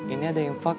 ini ada infak